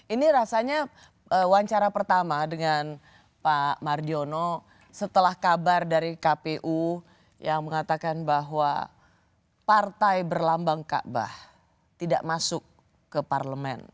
ini rasanya wawancara pertama dengan pak mardiono setelah kabar dari kpu yang mengatakan bahwa partai berlambang kaabah tidak masuk ke parlemen